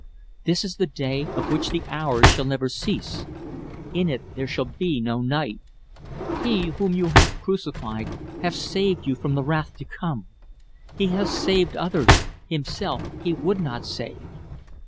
"This is the day of which the hours shall never cease in it there shall be no night. He whom ye have crucified hath saved you from the wrath to come. He hath saved others, Himself He would not save.